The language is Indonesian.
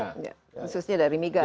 khususnya dari migas ya